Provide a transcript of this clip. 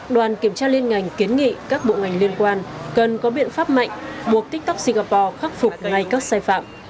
đoàn kiểm tra liên ngành kiến nghị các bộ ngành liên quan cần có biện pháp mạnh buộc tiktok singapore khắc phục ngay các sai phạm